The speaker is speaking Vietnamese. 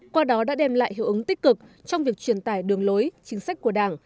qua đó đã đem lại hiệu ứng tích cực trong việc truyền tải đường lối chính sách của đảng